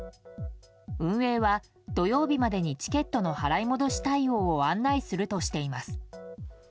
運営は、土曜日までにチケットの払い戻し対応を案内するとしています。